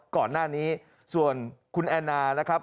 ก่อนหน้านี้ส่วนคุณแอนนานะครับ